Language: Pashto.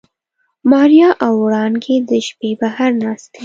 ماريا او وړانګې د شپې بهر ناستې.